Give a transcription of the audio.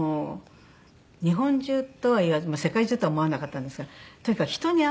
日本中とはいわず世界中とは思わなかったんですがとにかく人に会おうと。